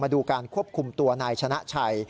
ดูการควบคุมตัวนายชนะชัย